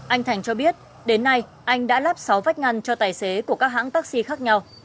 anh thành cho biết đến nay anh đã lắp sáu vách ngăn cho tài xế của các hãng taxi khác nhau